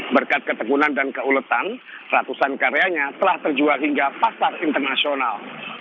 berkat ketegunan dan keuletan ratusan karyanya telah terjual hingga pasar internasional